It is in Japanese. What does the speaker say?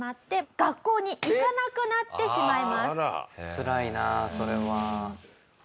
つらいなそれは。